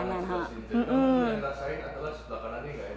yang rasain adalah sebelah kanannya nggak ya